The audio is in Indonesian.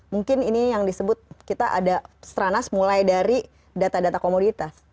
mungkin ini yang disebut kita ada stranas mulai dari data data komoditas